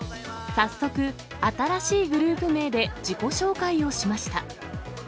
早速、新しいグループ名で自己紹介をしました。